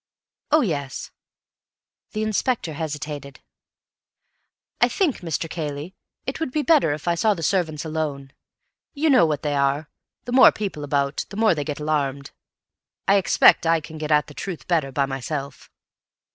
"Oh, yes." The inspector hesitated. "I think, Mr. Cayley, it would be better if I saw the servants alone. You know what they are; the more people about, the more they get alarmed. I expect I can get at the truth better by myself."